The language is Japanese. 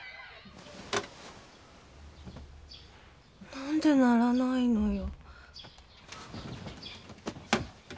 なんで鳴らないのよ。